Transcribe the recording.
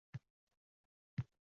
Har oqshom shlagbaumlardan